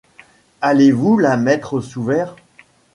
Allez-vous la mettre sous verre ?